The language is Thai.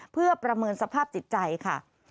เพื่อประเมินสภาพจิตใจค่ะ